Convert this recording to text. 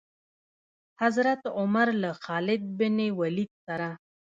حضرت عمر له خالد بن ولید سره.